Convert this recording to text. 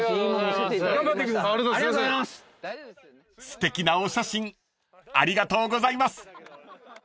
［すてきなお写真ありがとうございます］